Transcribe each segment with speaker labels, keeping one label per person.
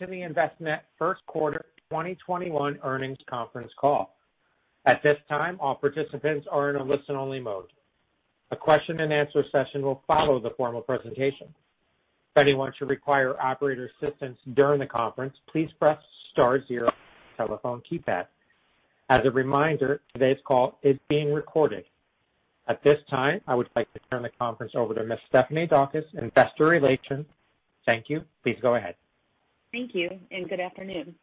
Speaker 1: Welcome to the Envestnet first quarter 2021 earnings conference call. At this time, all participants are in a listen-only mode. A question and answer session will follow the formal presentation. If anyone should require operator assistance during the conference, please press star zero on your telephone keypad. As a reminder, today's call is being recorded. At this time, I would like to turn the conference over to Ms. Stephanie Daukus, investor relations. Thank you. Please go ahead.
Speaker 2: Thank you, and good afternoon.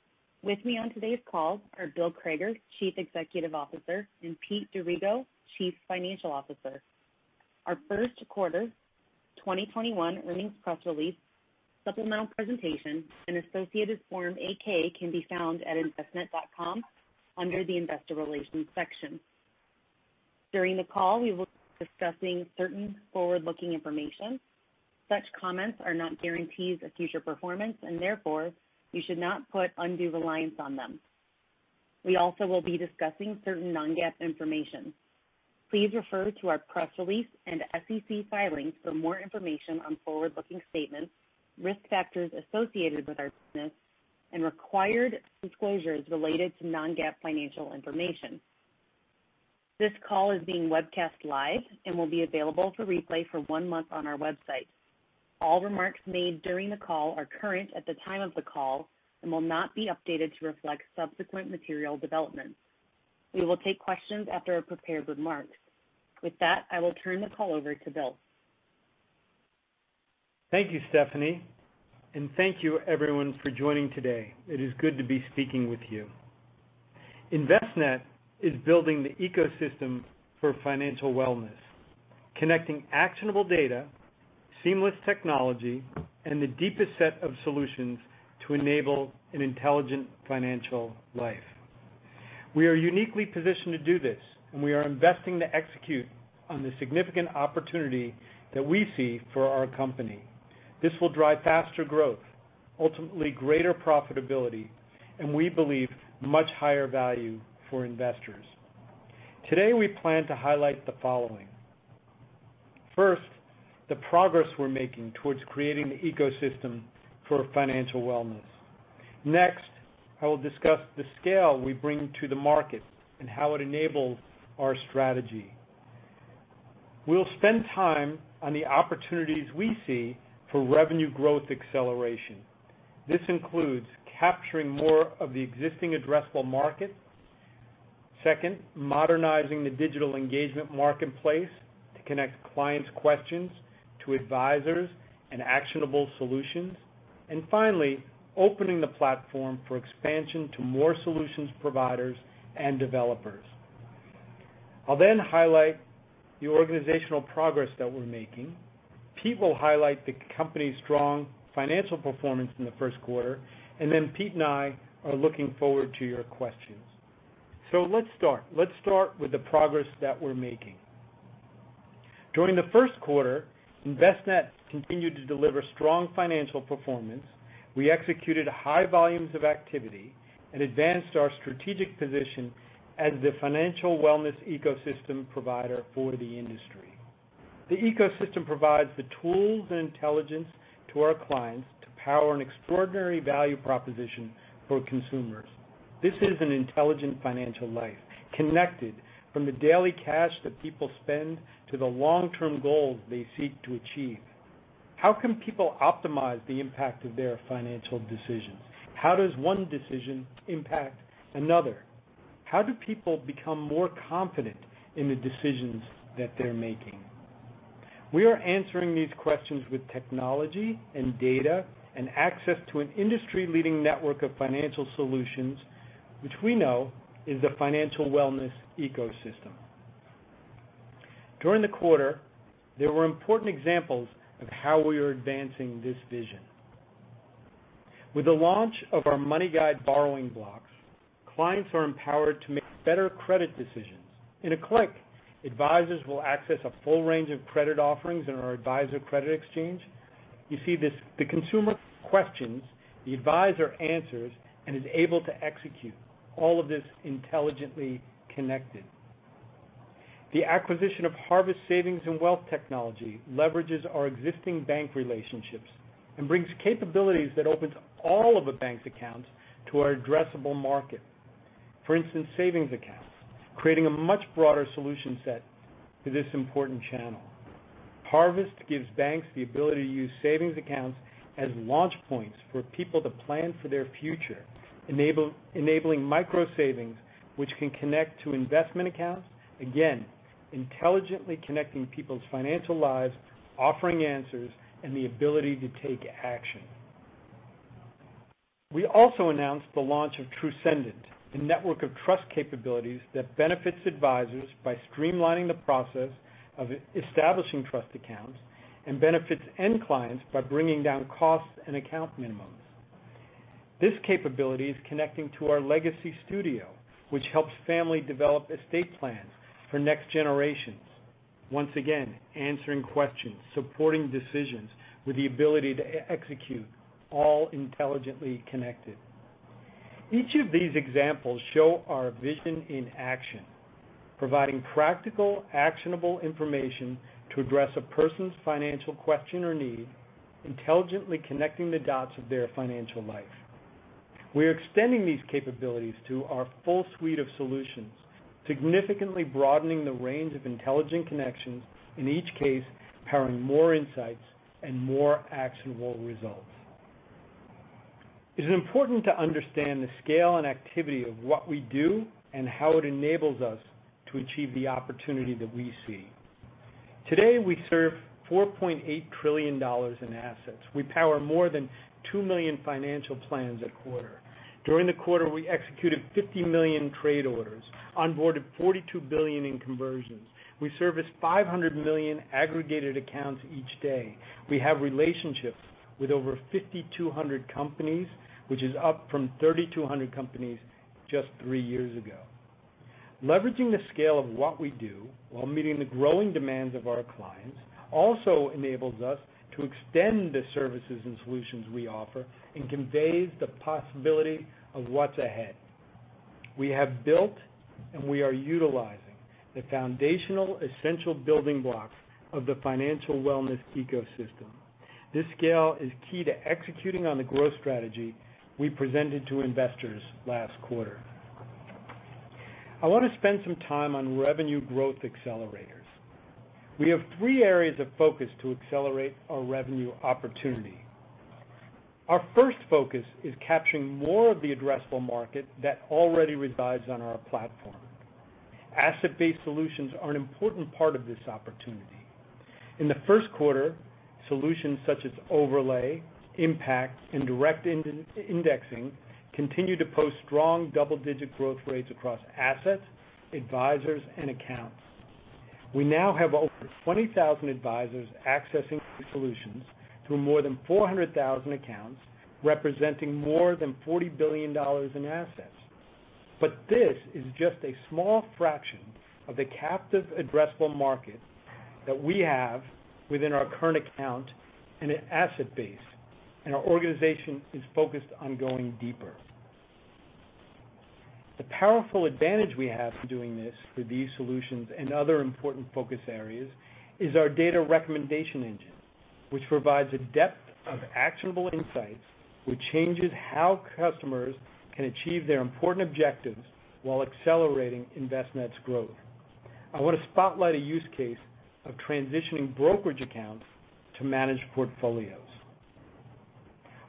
Speaker 2: With me on today's call are Bill Crager, Chief Executive Officer, and Pete D'Arrigo, Chief Financial Officer. Our first quarter 2021 earnings press release, supplemental presentation, and associated Form 8-K can be found at envestnet.com under the investor relations section. During the call, we will be discussing certain forward-looking information. Such comments are not guarantees of future performance, and therefore, you should not put undue reliance on them. We also will be discussing certain non-GAAP information. Please refer to our press release and SEC filings for more information on forward-looking statements, risk factors associated with our business, and required disclosures related to non-GAAP financial information. This call is being webcast live and will be available for replay for one month on our website. All remarks made during the call are current at the time of the call and will not be updated to reflect subsequent material developments. We will take questions after our prepared remarks. With that, I will turn the call over to Bill.
Speaker 3: Thank you, Stephanie, and thank you everyone for joining today. It is good to be speaking with you. Envestnet is building the ecosystem for financial wellness, connecting actionable data, seamless technology, and the deepest set of solutions to enable an intelligent financial life. We are uniquely positioned to do this. We are investing to execute on the significant opportunity that we see for our company. This will drive faster growth, ultimately greater profitability, and we believe much higher value for investors. Today, we plan to highlight the following. First, the progress we're making towards creating the ecosystem for financial wellness. Next, I will discuss the scale we bring to the market and how it enables our strategy. We'll spend time on the opportunities we see for revenue growth acceleration. This includes capturing more of the existing addressable market. Second, modernizing the digital engagement marketplace to connect clients' questions to advisors and actionable solutions. Finally, opening the platform for expansion to more solutions providers and developers. I'll highlight the organizational progress that we're making. Pete will highlight the company's strong financial performance in the first quarter. Pete and I are looking forward to your questions. Let's start. Let's start with the progress that we're making. During the first quarter, Envestnet continued to deliver strong financial performance. We executed high volumes of activity and advanced our strategic position as the financial wellness ecosystem provider for the industry. The ecosystem provides the tools and intelligence to our clients to power an extraordinary value proposition for consumers. This is an intelligent financial life, connected from the daily cash that people spend to the long-term goals they seek to achieve. How can people optimize the impact of their financial decisions? How does one decision impact another? How do people become more confident in the decisions that they're making? We are answering these questions with technology and data and access to an industry-leading network of financial solutions, which we know is the financial wellness ecosystem. During the quarter, there were important examples of how we are advancing this vision. With the launch of our MoneyGuide Borrowing Blocks, clients are empowered to make better credit decisions. In a click, advisors will access a full range of credit offerings in our Advisor Credit Exchange. You see this, the consumer questions, the advisor answers, and is able to execute all of this intelligently connected. The acquisition of Harvest Savings & Wealth Technologies leverages our existing bank relationships and brings capabilities that opens all of a bank's accounts to our addressable market. For instance, savings accounts, creating a much broader solution set to this important channel. Harvest gives banks the ability to use savings accounts as launch points for people to plan for their future, enabling micro-savings which can connect to investment accounts, again, intelligently connecting people's financial lives, offering answers, and the ability to take action. We also announced the launch of Trucendent, a network of trust capabilities that benefits advisors by streamlining the process of establishing trust accounts and benefits end clients by bringing down costs and account minimums. This capability is connecting to our Legacy Studio, which helps family develop estate plans for next generations. Once again, answering questions, supporting decisions with the ability to execute, all intelligently connected. Each of these examples show our vision in action, providing practical, actionable information to address a person's financial question or need, intelligently connecting the dots of their financial life. We are extending these capabilities to our full suite of solutions, significantly broadening the range of intelligent connections, in each case powering more insights and more actionable results. It is important to understand the scale and activity of what we do and how it enables us to achieve the opportunity that we see. Today, we serve $4.8 trillion in assets. We power more than two million financial plans a quarter. During the quarter, we executed 50 million trade orders, onboarded 42 billion in conversions. We service 500 million aggregated accounts each day. We have relationships with over 5,200 companies, which is up from 3,200 companies just three years ago. Leveraging the scale of what we do while meeting the growing demands of our clients also enables us to extend the services and solutions we offer and conveys the possibility of what's ahead. We have built, and we are utilizing the foundational essential building blocks of the financial wellness ecosystem. This scale is key to executing on the growth strategy we presented to investors last quarter. I want to spend some time on revenue growth accelerators. We have three areas of focus to accelerate our revenue opportunity. Our first focus is capturing more of the addressable market that already resides on our platform. Asset-based solutions are an important part of this opportunity. In the first quarter, solutions such as overlay, impact, and direct indexing continue to post strong double-digit growth rates across assets, advisors, and accounts. We now have over 20,000 advisors accessing solutions through more than 400,000 accounts, representing more than $40 billion in assets. This is just a small fraction of the captive addressable market that we have within our current account and asset base, and our organization is focused on going deeper. The powerful advantage we have for doing this for these solutions and other important focus areas is our data recommendation engine, which provides a depth of actionable insights which changes how customers can achieve their important objectives while accelerating Envestnet's growth. I want to spotlight a use case of transitioning brokerage accounts to managed portfolios.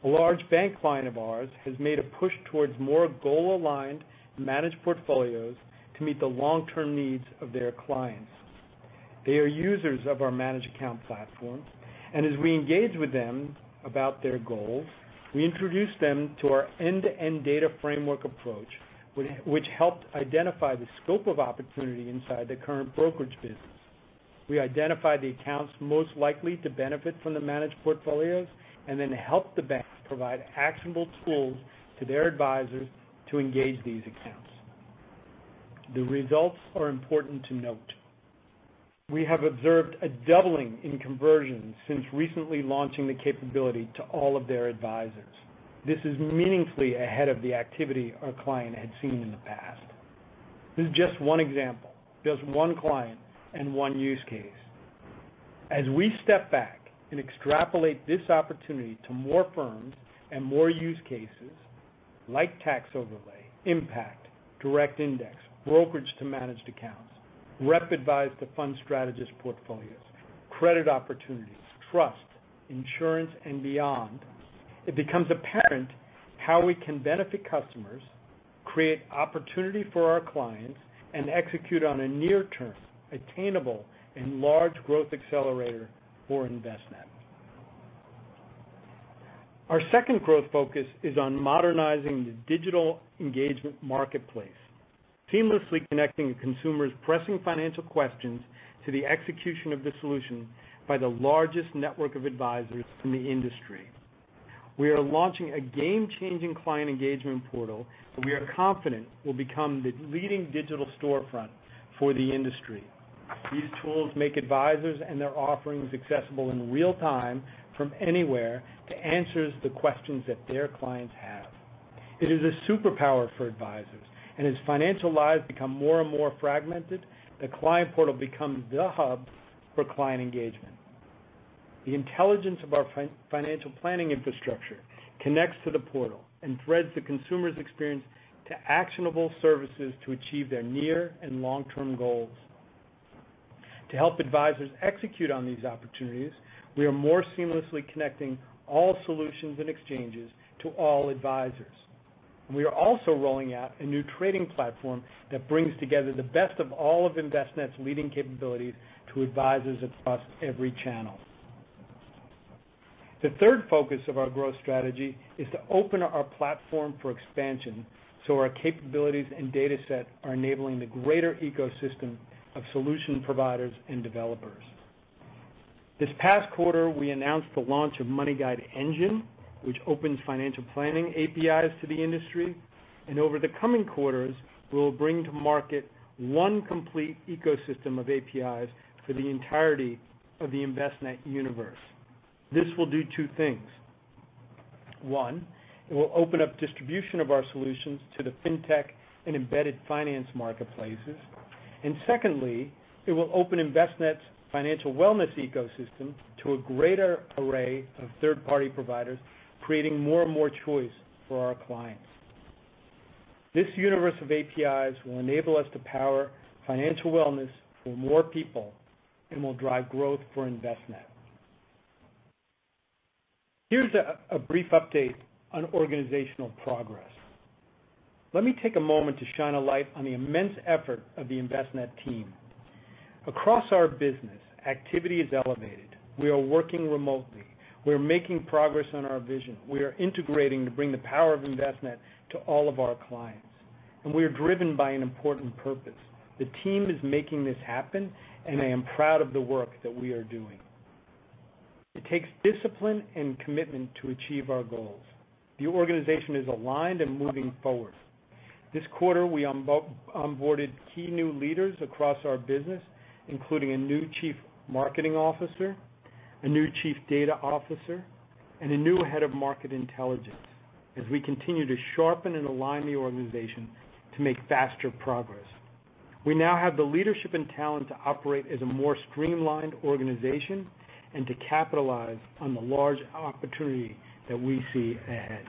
Speaker 3: A large bank client of ours has made a push towards more goal-aligned managed portfolios to meet the long-term needs of their clients. They are users of our managed account platform, and as we engage with them about their goals, we introduce them to our end-to-end data framework approach, which helped identify the scope of opportunity inside their current brokerage business. We identified the accounts most likely to benefit from the managed portfolios, and then helped the bank provide actionable tools to their advisors to engage these accounts. The results are important to note. We have observed a doubling in conversions since recently launching the capability to all of their advisors. This is meaningfully ahead of the activity our client had seen in the past. This is just one example, just one client and one use case. As we step back and extrapolate this opportunity to more firms and more use cases like tax overlay, impact, direct index, brokerage to managed accounts, rep-advised to fund strategist portfolios, credit opportunities, trust, insurance, and beyond, it becomes apparent how we can benefit customers, create opportunity for our clients, and execute on a near-term, attainable, and large growth accelerator for Envestnet. Our second growth focus is on modernizing the digital engagement marketplace, seamlessly connecting a consumer's pressing financial questions to the execution of the solution by the largest network of advisors in the industry. We are launching a game-changing client engagement portal that we are confident will become the leading digital storefront for the industry. These tools make advisors and their offerings accessible in real time from anywhere to answer the questions that their clients have. It is a superpower for advisors, and as financial lives become more and more fragmented, the client portal becomes the hub for client engagement. The intelligence of our financial planning infrastructure connects to the portal and threads the consumer's experience to actionable services to achieve their near and long-term goals. To help advisors execute on these opportunities, we are more seamlessly connecting all solutions and exchanges to all advisors. We are also rolling out a new trading platform that brings together the best of all of Envestnet's leading capabilities to advisors across every channel. The third focus of our growth strategy is to open our platform for expansion so our capabilities and dataset are enabling the greater ecosystem of solution providers and developers. This past quarter, we announced the launch of MoneyGuide Engine, which opens financial planning APIs to the industry, and over the coming quarters, we will bring to market one complete ecosystem of APIs for the entirety of the Envestnet universe. This will do two things. One, it will open up distribution of our solutions to the FinTech and embedded finance marketplaces. Secondly, it will open Envestnet's financial wellness ecosystem to a greater array of third-party providers, creating more and more choice for our clients. This universe of APIs will enable us to power financial wellness for more people and will drive growth for Envestnet. Here's a brief update on organizational progress. Let me take a moment to shine a light on the immense effort of the Envestnet team. Across our business, activity is elevated. We are working remotely. We're making progress on our vision. We are integrating to bring the power of Envestnet to all of our clients, and we are driven by an important purpose. The team is making this happen, and I am proud of the work that we are doing. It takes discipline and commitment to achieve our goals. The organization is aligned and moving forward. This quarter, we onboarded key new leaders across our business, including a new Chief Marketing Officer, a new Chief Data Officer, and a new Head of Market Intelligence, as we continue to sharpen and align the organization to make faster progress. We now have the leadership and talent to operate as a more streamlined organization and to capitalize on the large opportunity that we see ahead.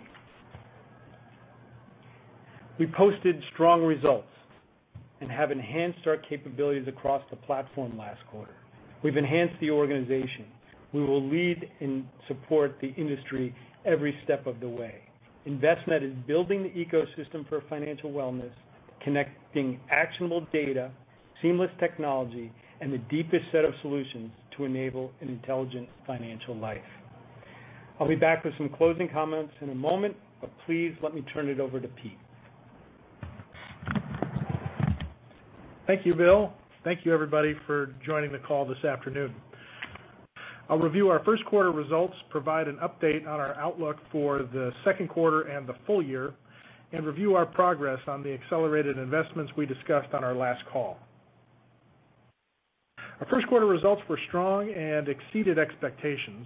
Speaker 3: We posted strong results and have enhanced our capabilities across the platform last quarter. We've enhanced the organization. We will lead and support the industry every step of the way. Envestnet is building the ecosystem for financial wellness, connecting actionable data, seamless technology, and the deepest set of solutions to enable an intelligent financial life. I'll be back with some closing comments in a moment, but please let me turn it over to Pete.
Speaker 4: Thank you, Bill. Thank you, everybody, for joining the call this afternoon. I'll review our first quarter results, provide an update on our outlook for the second quarter and the full year, and review our progress on the accelerated investments we discussed on our last call. Our first quarter results were strong and exceeded expectations.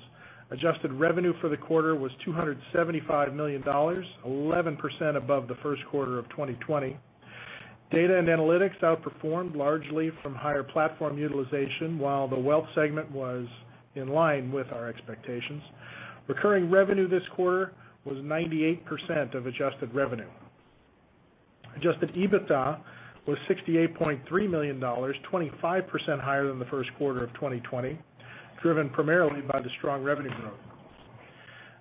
Speaker 4: Adjusted revenue for the quarter was $275 million, 11% above the first quarter of 2020. Data and analytics outperformed largely from higher platform utilization while the wealth segment was in line with our expectations. Recurring revenue this quarter was 98% of adjusted revenue. Adjusted EBITDA was $68.3 million, 25% higher than the first quarter of 2020, driven primarily by the strong revenue growth.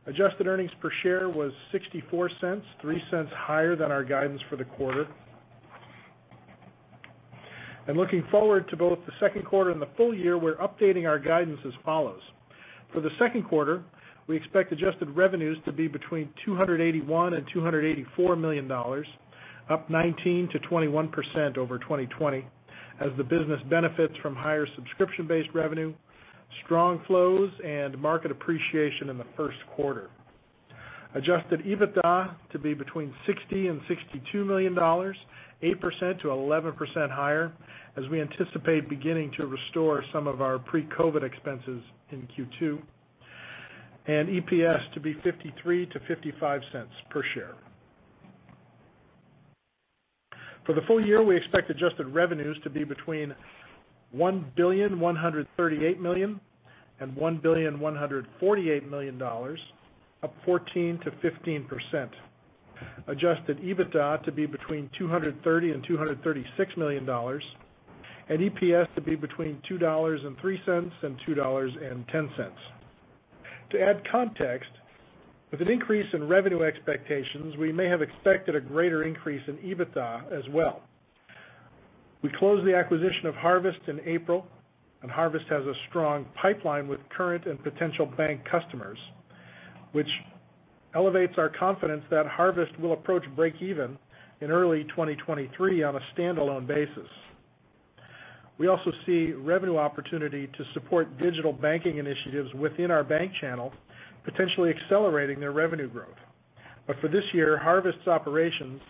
Speaker 4: Adjusted earnings per share was $0.64, $0.03 higher than our guidance for the quarter. Looking forward to both the second quarter and the full year, we're updating our guidance as follows. For the second quarter, we expect adjusted revenues to be between $281 million and $284 million, up 19%-21% over 2020 as the business benefits from higher subscription-based revenue, strong flows, and market appreciation in the first quarter. Adjusted EBITDA to be between $60 million and $62 million, 8%-11% higher, as we anticipate beginning to restore some of our pre-COVID expenses in Q2. EPS to be $0.53-$0.55 per share. For the full year, we expect adjusted revenues to be between $1.138 billion and $1.148 billion, up 14%-15%. Adjusted EBITDA to be between $230 million and $236 million, and EPS to be between $2.03 and $2.10. To add context, with an increase in revenue expectations, we may have expected a greater increase in EBITDA as well. We closed the acquisition of Harvest in April, and Harvest has a strong pipeline with current and potential bank customers, which elevates our confidence that Harvest will approach breakeven in early 2023 on a standalone basis. We also see revenue opportunity to support digital banking initiatives within our bank channel, potentially accelerating their revenue growth. For this year, Harvest's operations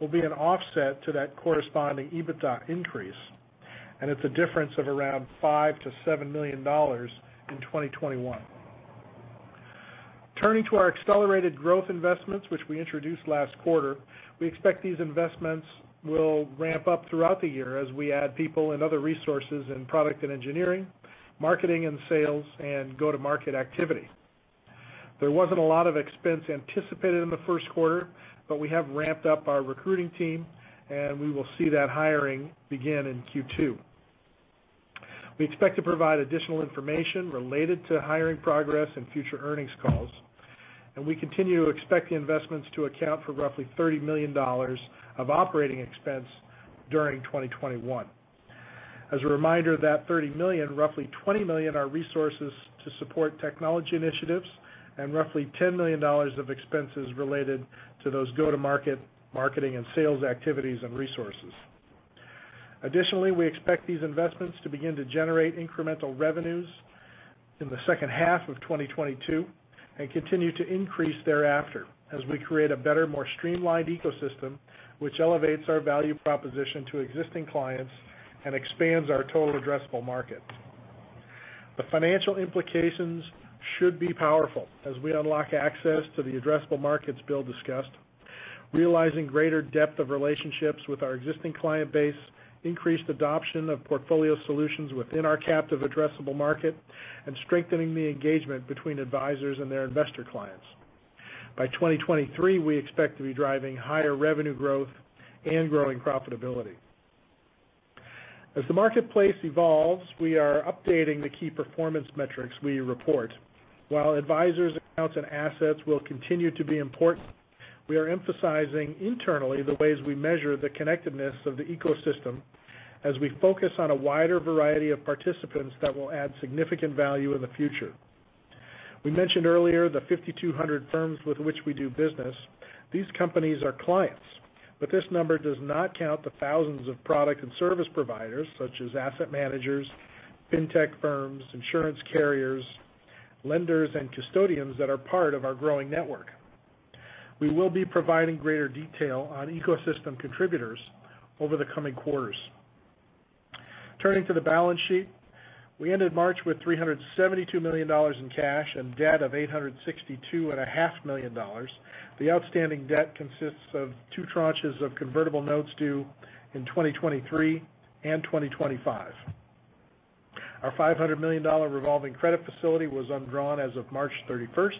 Speaker 4: will be an offset to that corresponding EBITDA increase, and it's a difference of around $5 million-$7 million in 2021. Turning to our accelerated growth investments, which we introduced last quarter, we expect these investments will ramp up throughout the year as we add people and other resources in product and engineering, marketing and sales, and go-to-market activity. There wasn't a lot of expense anticipated in the first quarter, but we have ramped up our recruiting team, and we will see that hiring begin in Q2. We expect to provide additional information related to hiring progress in future earnings calls. We continue to expect the investments to account for roughly $30 million of operating expense during 2021. As a reminder, of that $30 million, roughly $20 million are resources to support technology initiatives and roughly $10 million of expenses related to those go-to-market marketing and sales activities and resources. Additionally, we expect these investments to begin to generate incremental revenues in the second half of 2022 and continue to increase thereafter as we create a better, more streamlined ecosystem, which elevates our value proposition to existing clients and expands our total addressable market. The financial implications should be powerful as we unlock access to the addressable markets Bill discussed, realizing greater depth of relationships with our existing client base, increased adoption of portfolio solutions within our captive addressable market, and strengthening the engagement between advisors and their investor clients. By 2023, we expect to be driving higher revenue growth and growing profitability. As the marketplace evolves, we are updating the key performance metrics we report. While advisors, accounts, and assets will continue to be important, we are emphasizing internally the ways we measure the connectedness of the ecosystem as we focus on a wider variety of participants that will add significant value in the future. We mentioned earlier the 5,200 firms with which we do business. These companies are clients, but this number does not count the thousands of product and service providers, such as asset managers, FinTech firms, insurance carriers, lenders, and custodians that are part of our growing network. We will be providing greater detail on ecosystem contributors over the coming quarters. Turning to the balance sheet. We ended March with $372 million in cash and debt of $862.5 million. The outstanding debt consists of two tranches of convertible notes due in 2023 and 2025. Our $500 million revolving credit facility was undrawn as of March 31st,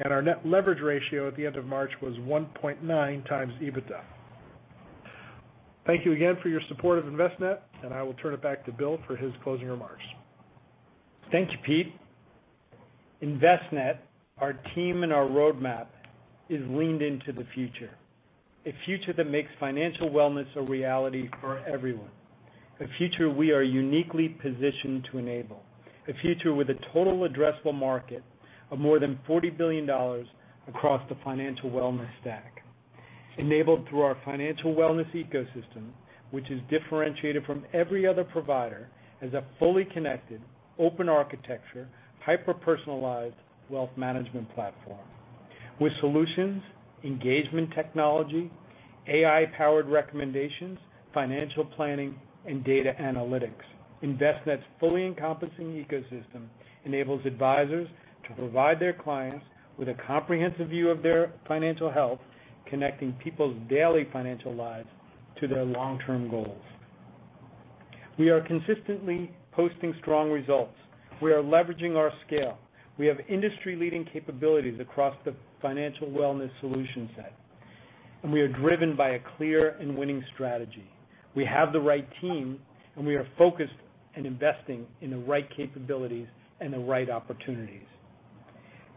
Speaker 4: and our net leverage ratio at the end of March was 1.9x EBITDA. Thank you again for your support of Envestnet, and I will turn it back to Bill for his closing remarks.
Speaker 3: Thank you, Pete. Envestnet, our team, and our roadmap is leaned into the future. A future that makes financial wellness a reality for everyone. A future we are uniquely positioned to enable. A future with a total addressable market of more than $40 billion across the financial wellness stack, enabled through our financial wellness ecosystem, which is differentiated from every other provider as a fully connected, open architecture, hyper-personalized wealth management platform. With solutions, engagement technology, AI-powered recommendations, financial planning, and data analytics, Envestnet's fully encompassing ecosystem enables advisors to provide their clients with a comprehensive view of their financial health, connecting people's daily financial lives to their long-term goals. We are consistently posting strong results. We are leveraging our scale. We have industry-leading capabilities across the financial wellness solution set. We are driven by a clear and winning strategy. We have the right team, and we are focused and investing in the right capabilities and the right opportunities.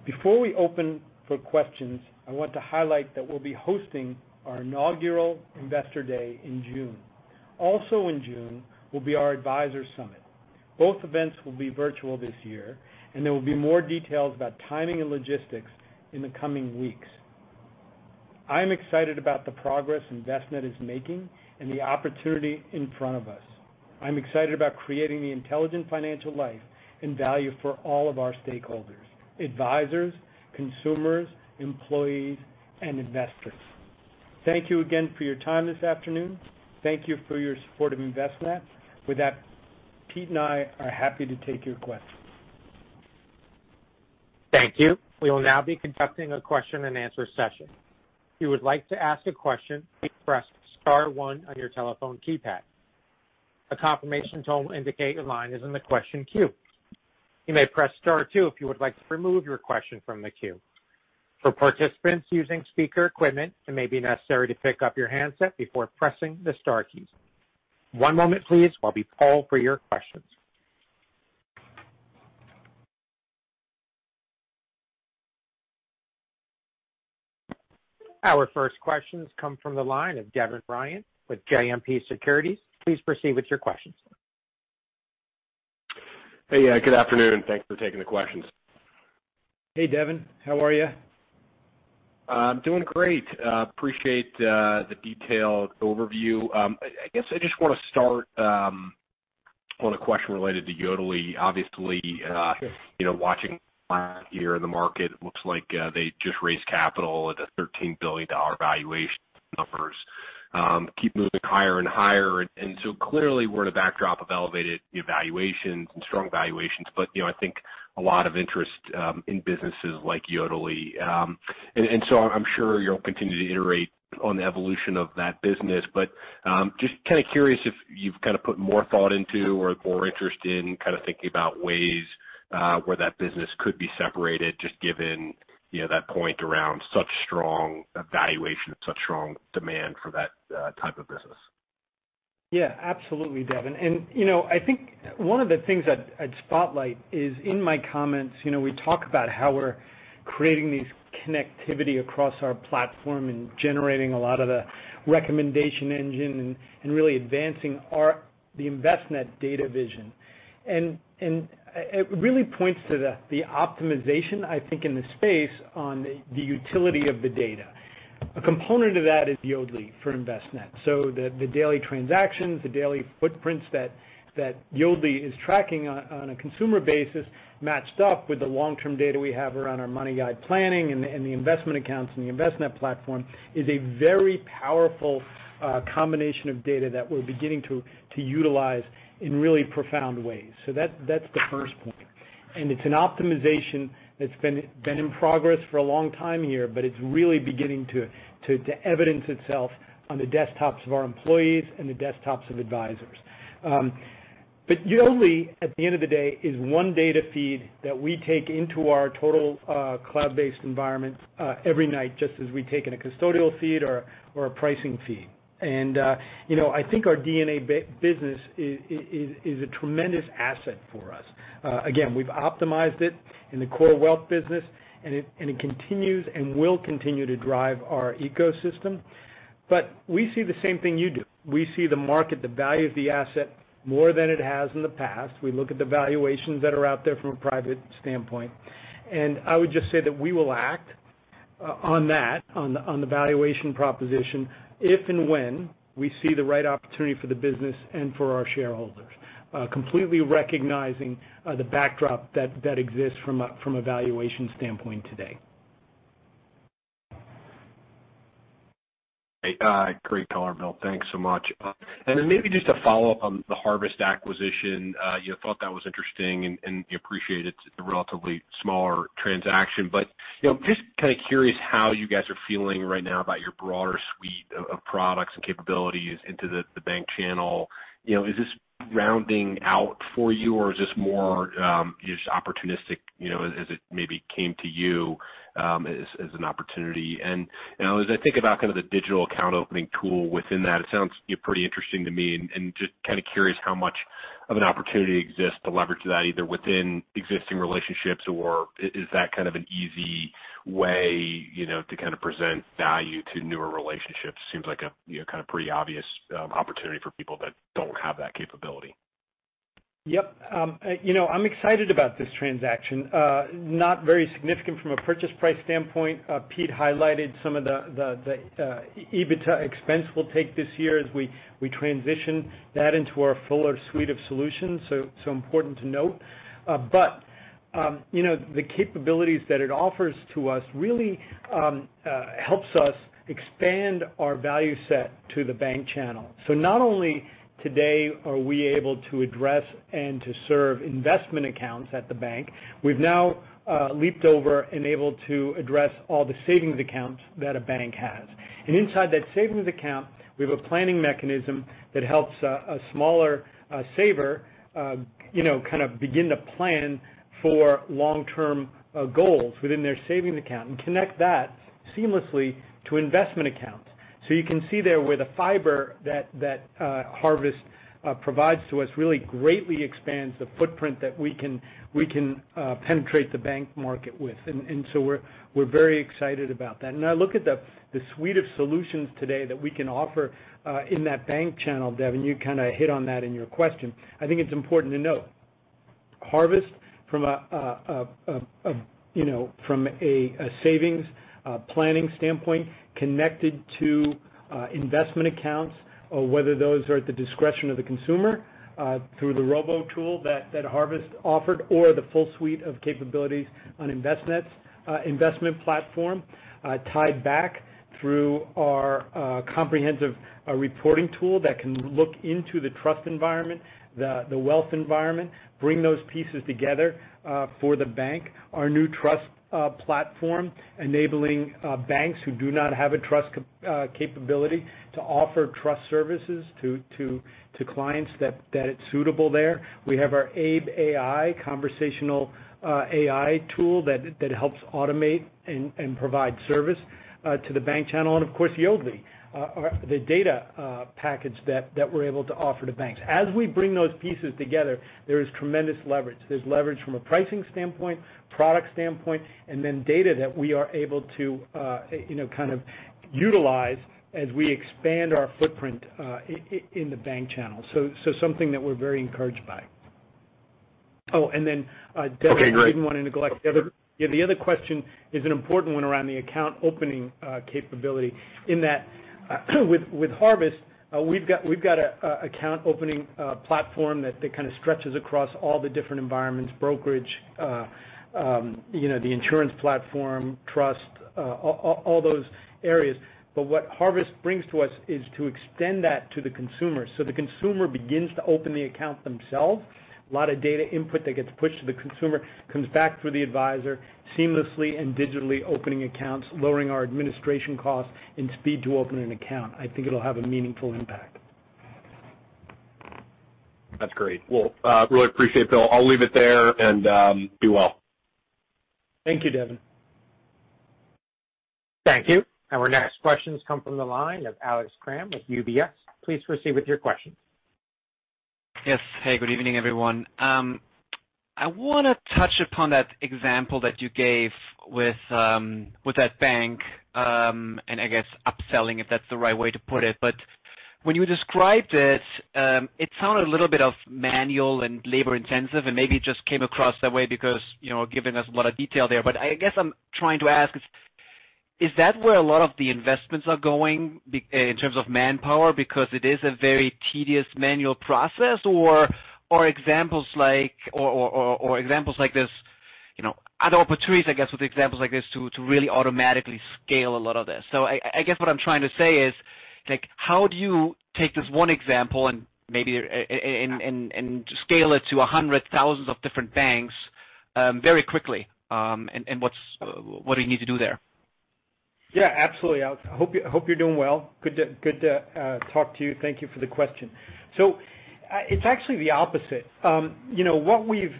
Speaker 3: Before we open for questions, I want to highlight that we'll be hosting our Inaugural Investor Day in June. Also in June will be our Advisor Summit. Both events will be virtual this year, and there will be more details about timing and logistics in the coming weeks. I'm excited about the progress Envestnet is making and the opportunity in front of us. I'm excited about creating the intelligent financial life and value for all of our stakeholders, advisors, consumers, employees, and investors. Thank you again for your time this afternoon. Thank you for your support of Envestnet. With that, Pete and I are happy to take your questions.
Speaker 1: Thank you. We will now be conducting a question and answer session. If you would like to ask a question, please press star one on your telephone keypad. A confirmation tone will indicate your line is in the question queue. You may press star two if you would like to remove your question from the queue. For participants using speaker equipment, it may be necessary to pick up your handset before pressing the star key. One moment, please, while we poll for your questions. Our first questions come from the line of Devin Ryan with JMP Securities. Please proceed with your questions.
Speaker 5: Hey. Good afternoon. Thanks for taking the questions.
Speaker 3: Hey, Devin. How are you?
Speaker 5: I'm doing great. Appreciate the detailed overview. I guess I just want to start on a question related to Yodlee.
Speaker 3: Sure
Speaker 5: Watching here in the market, looks like they just raised capital at a $13 billion valuation. Numbers keep moving higher and higher. Clearly we're in a backdrop of elevated valuations and strong valuations, but I think a lot of interest in businesses like Yodlee. I'm sure you'll continue to iterate on the evolution of that business, but just kind of curious if you've kind of put more thought into or more interest in kind of thinking about ways where that business could be separated, just given that point around such strong valuation, such strong demand for that type of business.
Speaker 3: Yeah, absolutely, Devin. I think one of the things I'd spotlight is in my comments, we talk about how we're creating these connectivity across our platform and generating a lot of the recommendation engine and really advancing the Envestnet data vision. It really points to the optimization, I think, in the space on the utility of the data. A component of that is Yodlee for Envestnet. The daily transactions, the daily footprints that Yodlee is tracking on a consumer basis matched up with the long-term data we have around our MoneyGuide planning and the investment accounts and the Envestnet platform is a very powerful combination of data that we're beginning to utilize in really profound ways. That's the first point, and it's an optimization that's been in progress for a long time here, but it's really beginning to evidence itself on the desktops of our employees and the desktops of advisors. Yodlee, at the end of the day, is one data feed that we take into our total cloud-based environment every night, just as we take in a custodial feed or a pricing feed. I think our D&A business is a tremendous asset for us. Again, we've optimized it in the core wealth business, and it continues and will continue to drive our ecosystem. We see the same thing you do. We see the market, the value of the asset more than it has in the past. We look at the valuations that are out there from a private standpoint. I would just say that we will act on that, on the valuation proposition if and when we see the right opportunity for the business and for our shareholders, completely recognizing the backdrop that exists from a valuation standpoint today.
Speaker 5: Great. Great color, Bill. Thanks so much. Maybe just a follow-up on the Harvest acquisition. You thought that was interesting, and you appreciate it's a relatively smaller transaction. Just kind of curious how you guys are feeling right now about your broader suite of products and capabilities into the bank channel. Is this rounding out for you, or is this more just opportunistic as it maybe came to you as an opportunity? As I think about the digital account opening tool within that, it sounds pretty interesting to me and just kind of curious how much of an opportunity exists to leverage that either within existing relationships or is that kind of an easy way to present value to newer relationships? Seems like a pretty obvious opportunity for people that don't have that capability.
Speaker 3: Yep. I'm excited about this transaction. Not very significant from a purchase price standpoint. Pete highlighted some of the EBITDA expense we'll take this year as we transition that into our fuller suite of solutions. Important to note. The capabilities that it offers to us really helps us expand our value set to the bank channel. Not only today are we able to address and to serve investment accounts at the bank, we've now leaped over and able to address all the savings accounts that a bank has. Inside that savings account, we have a planning mechanism that helps a smaller saver begin to plan for long-term goals within their savings account and connect that seamlessly to investment accounts. You can see there where the fiber that Harvest provides to us really greatly expands the footprint that we can penetrate the bank market with. We're very excited about that. Look at the suite of solutions today that we can offer in that bank channel, Devin, you kind of hit on that in your question. I think it's important to note, Harvest from a savings planning standpoint, connected to investment accounts, whether those are at the discretion of the consumer through the robo tool that Harvest offered or the full suite of capabilities on Envestnet's investment platform tied back through our comprehensive reporting tool that can look into the trust environment, the wealth environment, bring those pieces together for the bank. Our new trust platform enabling banks who do not have a trust capability to offer trust services to clients that it's suitable there. We have our Abe.ai conversational AI tool that helps automate and provide service to the bank channel, and of course, Yodlee, the data package that we're able to offer to banks. As we bring those pieces together, there is tremendous leverage. There's leverage from a pricing standpoint, product standpoint, and then data that we are able to utilize as we expand our footprint in the bank channel. Something that we're very encouraged by. Devin.
Speaker 5: Okay, great.
Speaker 3: I didn't want to neglect the other. Yeah, the other question is an important one around the account opening capability in that with Harvest, we've got an account opening platform that kind of stretches across all the different environments, brokerage, the insurance platform, trust, all those areas. What Harvest brings to us is to extend that to the consumer. The consumer begins to open the account themselves. A lot of data input that gets pushed to the consumer comes back through the advisor seamlessly and digitally opening accounts, lowering our administration costs and speed to open an account. I think it'll have a meaningful impact.
Speaker 5: That's great. Well, really appreciate it, Bill. I'll leave it there, and be well.
Speaker 3: Thank you, Devin.
Speaker 1: Thank you. Our next questions come from the line of Alex Kramm with UBS. Please proceed with your question.
Speaker 6: Yes. Hey, good evening, everyone. I want to touch upon that example that you gave with that bank, and I guess upselling, if that's the right way to put it. When you described it sounded a little bit manual and labor intensive, and maybe it just came across that way because giving us a lot of detail there. I guess I'm trying to ask is that where a lot of the investments are going in terms of manpower because it is a very tedious manual process? Or are there opportunities, I guess, with examples like this to really automatically scale a lot of this? I guess what I'm trying to say is, how do you take this one example and maybe scale it to a hundred thousands of different banks very quickly? What do you need to do there?
Speaker 3: Yeah, absolutely. Alex Kramm, I hope you are doing well. Good to talk to you. Thank you for the question. It is actually the opposite. What we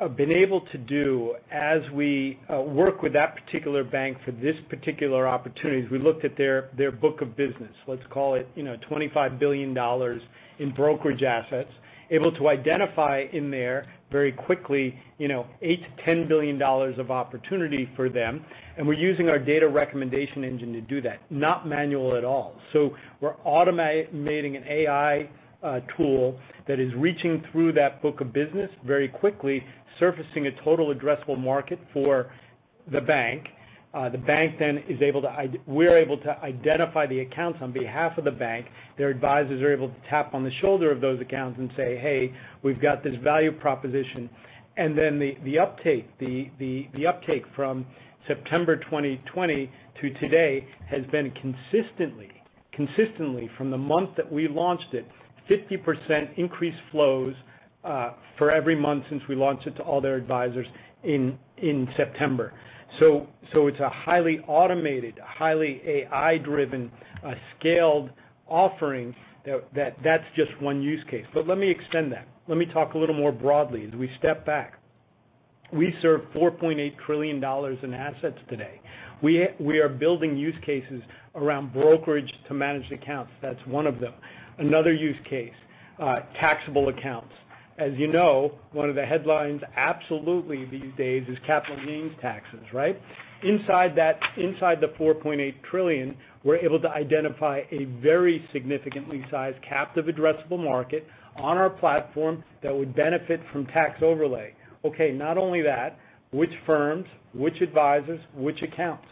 Speaker 3: have been able to do as we work with that particular bank for this particular opportunity, is we looked at their book of business. Let us call it $25 billion in brokerage assets, able to identify in there very quickly $8 billion-$10 billion of opportunity for them. We are using our data recommendation engine to do that. Not manual at all. We are automating an AI tool that is reaching through that book of business very quickly, surfacing a total addressable market for the bank. We are able to identify the accounts on behalf of the bank. Their advisors are able to tap on the shoulder of those accounts and say, "Hey, we've got this value proposition." Then the uptake from September 2020 to today has been consistently from the month that we launched it, 50% increased flows for every month since we launched it to all their advisors in September. It's a highly automated, highly AI-driven, scaled offering that's just one use case. Let me extend that. Let me talk a little more broadly as we step back. We serve $4.8 trillion in assets today. We are building use cases around brokerage to managed accounts. That's one of them. Another use case, taxable accounts. As you know, one of the headlines absolutely these days is capital gains taxes, right? Inside the $4.8 trillion, we're able to identify a very significantly sized captive addressable market on our platform that would benefit from tax overlay. Okay, not only that, which firms, which advisors, which accounts?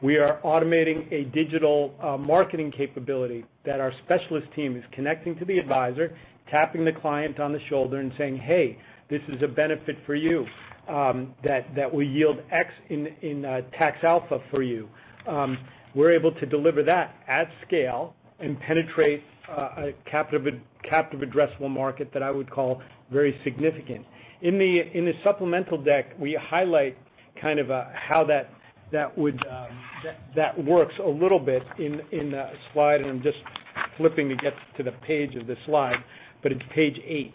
Speaker 3: We are automating a digital marketing capability that our specialist team is connecting to the advisor, tapping the client on the shoulder and saying, "Hey, this is a benefit for you that will yield X in tax alpha for you." We're able to deliver that at scale and penetrate a captive addressable market that I would call very significant. In the supplemental deck, we highlight kind of how that works a little bit in a slide, and I'm just flipping to get to the page of the slide. It's page eight.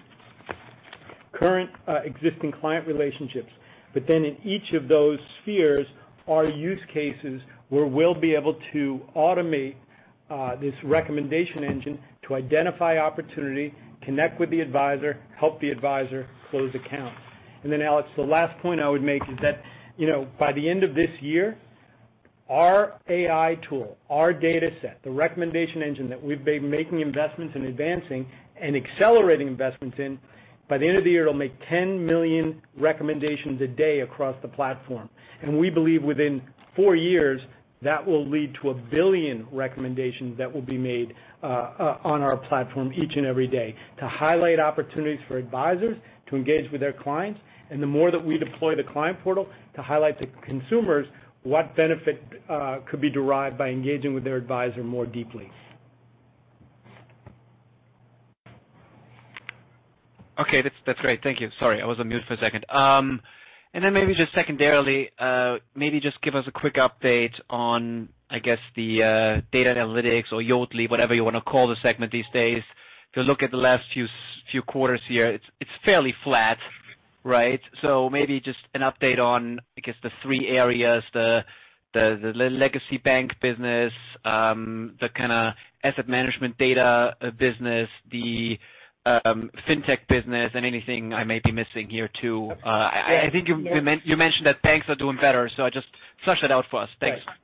Speaker 3: Current existing client relationships. In each of those spheres are use cases where we'll be able to automate this recommendation engine to identify opportunity, connect with the advisor, help the advisor close accounts. Alex, the last point I would make is that, by the end of this year, our AI tool, our data set, the recommendation engine that we've been making investments in advancing and accelerating investments in, by the end of the year, it'll make 10 million recommendations a day across the platform. We believe within four years, that will lead to a billion recommendations that will be made on our platform each and every day to highlight opportunities for advisors to engage with their clients, the more that we deploy the client portal to highlight to consumers what benefit could be derived by engaging with their advisor more deeply.
Speaker 6: Okay. That's great. Thank you. Sorry, I was on mute for a second. Maybe just secondarily, maybe just give us a quick update on, I guess, the data analytics or Yodlee, whatever you want to call the segment these days. If you look at the last few quarters here, it's fairly flat, right? Maybe just an update on, I guess, the three areas, the legacy bank business, the kind of asset management data business, the FinTech business, and anything I may be missing here too.
Speaker 3: Okay. Yeah.
Speaker 6: I think you mentioned that banks are doing better, so just flush that out for us. Thanks.
Speaker 3: Right.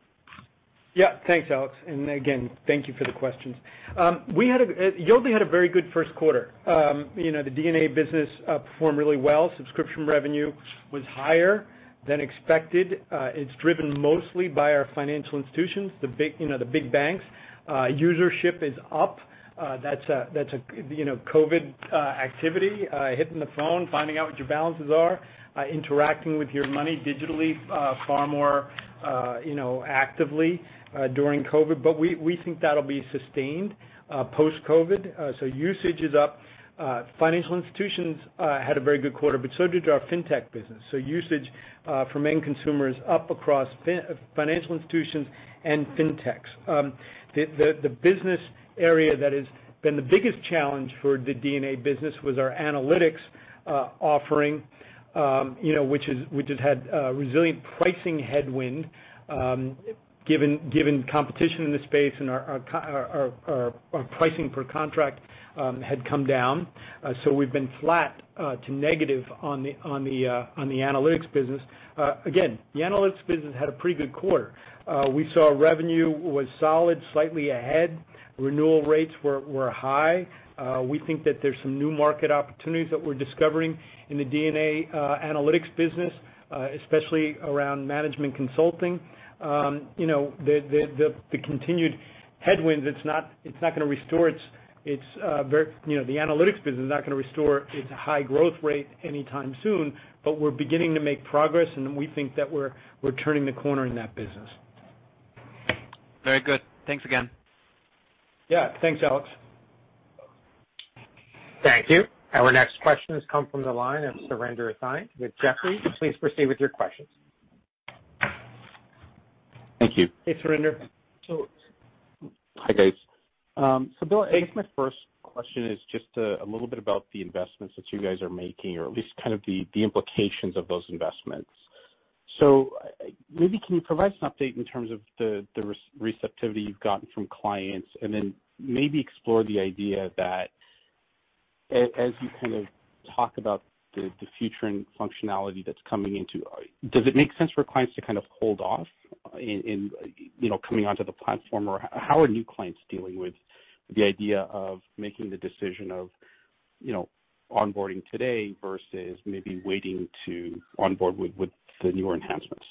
Speaker 3: Thanks, Alex. Again, thank you for the questions. Yodlee had a very good first quarter. The D&A business performed really well. Subscription revenue was higher than expected. It's driven mostly by our financial institutions, the big banks. Usership is up. That's COVID activity, hitting the phone, finding out what your balances are, interacting with your money digitally far more actively during COVID. We think that'll be sustained post-COVID. Usage is up. Financial institutions had a very good quarter, so did our FinTech business. Usage for main consumer is up across financial institutions and FinTechs. The business area that has been the biggest challenge for the D&A business was our analytics offering. Which has had a resilient pricing headwind given competition in the space and our pricing per contract had come down. We've been flat to negative on the analytics business. The analytics business had a pretty good quarter. We saw revenue was solid, slightly ahead. Renewal rates were high. We think that there's some new market opportunities that we're discovering in the DA analytics business, especially around management consulting. The continued headwinds, the analytics business is not going to restore its high growth rate anytime soon, but we're beginning to make progress, and we think that we're turning the corner in that business.
Speaker 6: Very good. Thanks again.
Speaker 3: Yeah. Thanks, Alex.
Speaker 1: Thank you. Our next question has come from the line of Surinder Thind with Jefferies. Please proceed with your questions.
Speaker 7: Thank you.
Speaker 3: Hey, Surinder.
Speaker 7: Hi, guys. Bill, I guess my first question is just a little bit about the investments that you guys are making or at least kind of the implications of those investments. Maybe can you provide some update in terms of the receptivity you've gotten from clients and then maybe explore the idea that as you kind of talk about the future and functionality that's coming into, does it make sense for clients to kind of hold off in coming onto the platform or how are new clients dealing with the idea of making the decision of onboarding today versus maybe waiting to onboard with the newer enhancements?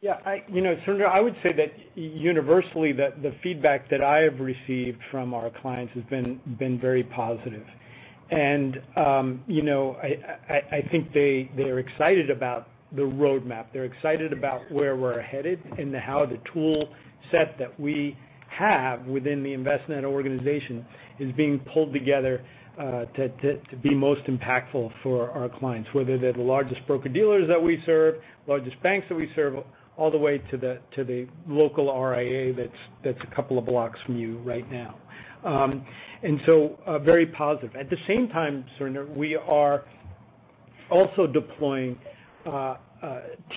Speaker 3: Yeah. Surinder, I would say that universally, the feedback that I have received from our clients has been very positive. I think they are excited about the roadmap. They're excited about where we're headed and how the tool set that we have within the Envestnet organization is being pulled together, to be most impactful for our clients, whether they're the largest broker-dealers that we serve, largest banks that we serve, all the way to the local RIA that's a couple of blocks from you right now. Very positive. At the same time, Surinder, we are also deploying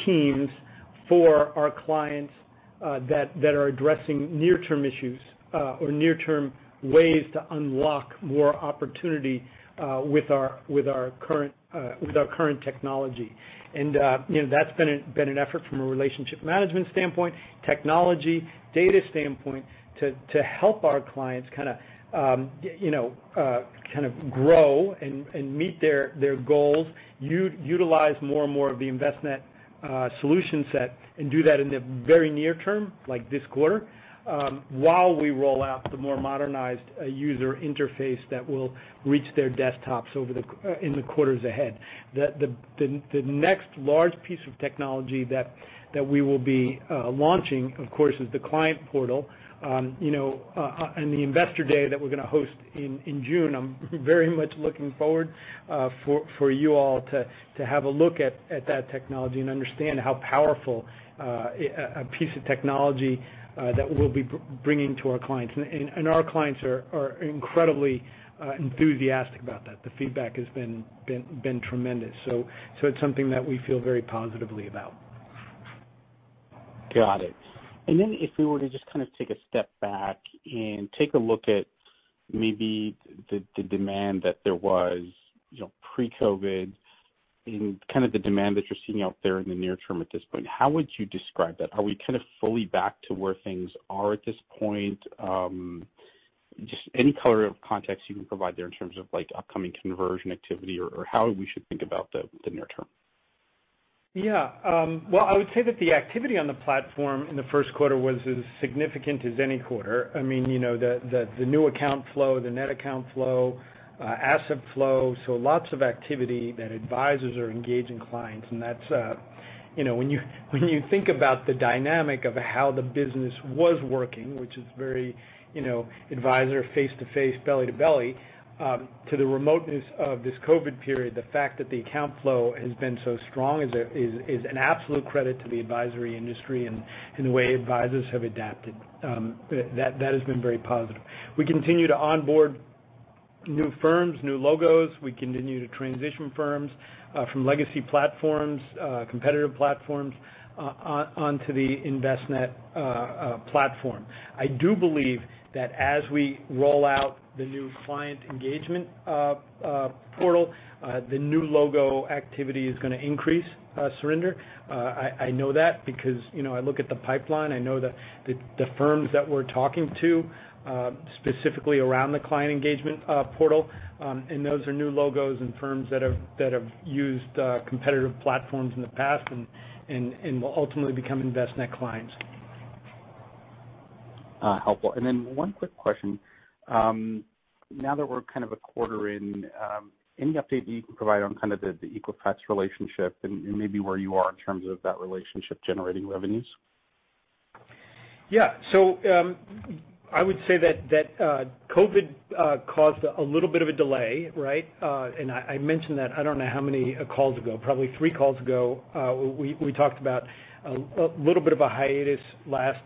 Speaker 3: teams for our clients that are addressing near-term issues, or near-term ways to unlock more opportunity with our current technology. That's been an effort from a relationship management standpoint, technology data standpoint, to help our clients kind of grow and meet their goals, utilize more and more of the Envestnet solution set, and do that in the very near term, like this quarter, while we roll out the more modernized user interface that will reach their desktops in the quarters ahead. The next large piece of technology that we will be launching, of course, is the client portal. On the Investor Day that we're going to host in June, I'm very much looking forward for you all to have a look at that technology and understand how powerful a piece of technology that we'll be bringing to our clients. Our clients are incredibly enthusiastic about that. The feedback has been tremendous. It's something that we feel very positively about.
Speaker 7: Got it. If we were to just kind of take a step back and take a look at maybe the demand that there was pre-COVID and kind of the demand that you're seeing out there in the near term at this point, how would you describe that? Are we kind of fully back to where things are at this point? Just any color of context you can provide there in terms of upcoming conversion activity or how we should think about the near term.
Speaker 3: Yeah. Well, I would say that the activity on the platform in the first quarter was as significant as any quarter. I mean, the new account flow, the net account flow, asset flow, so lots of activity that advisors are engaging clients, and when you think about the dynamic of how the business was working, which is very advisor face-to-face, belly-to-belly, to the remoteness of this COVID period, the fact that the account flow has been so strong is an absolute credit to the advisory industry and the way advisors have adapted. That has been very positive. We continue to onboard new firms, new logos. We continue to transition firms from legacy platforms, competitive platforms onto the Envestnet platform. I do believe that as we roll out the new client engagement portal, the new logo activity is going to increase, Surinder. I know that because I look at the pipeline. I know the firms that we're talking to, specifically around the client engagement portal, and those are new logos and firms that have used competitive platforms in the past and will ultimately become Envestnet clients.
Speaker 7: Helpful. One quick question. Now that we're kind of a quarter in, any update that you can provide on kind of the Equifax relationship and maybe where you are in terms of that relationship generating revenues?
Speaker 3: Yeah. I would say that COVID caused a little bit of a delay, right? I mentioned that, I don't know how many calls ago, probably three calls ago. We talked about a little bit of a hiatus last